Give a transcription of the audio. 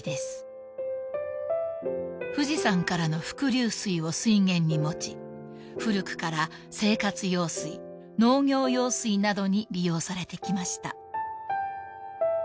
［富士山からの伏流水を水源に持ち古くから生活用水農業用水などに利用されてきました］